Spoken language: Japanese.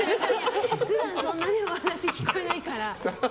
普段、そんなにお話聞かないから。